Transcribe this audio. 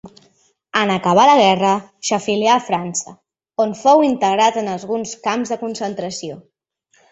En acabar la guerra s'exilià a França, on fou internat en alguns camps de concentració.